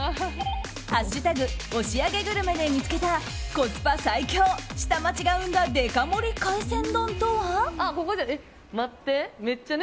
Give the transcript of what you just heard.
「＃押上グルメ」で見つけたコスパ最強、下町が生んだデカ盛り海鮮丼とは。